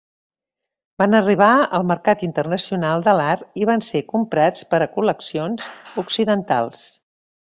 Van arribar al mercat internacional de l'art i van ser comprats per a col·leccions occidentals.